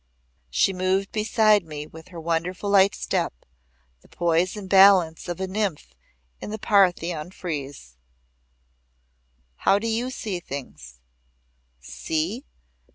She moved beside me with her wonderful light step the poise and balance of a nymph in the Parthenon frieze. "How do you see things?" "See?